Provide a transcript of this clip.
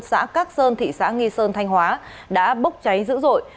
xã cát sơn thị xã nghi sơn thanh hóa đã bốc cháy dữ dội